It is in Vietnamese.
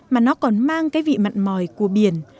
mà nó còn mang cái vị mặn mòi của biển